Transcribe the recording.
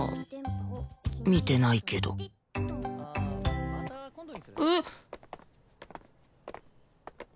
見てないけどえっ？